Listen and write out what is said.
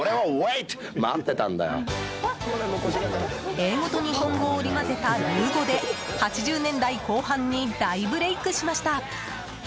英語と日本語を織り交ぜたルー語で８０年代後半に大ブレークしました。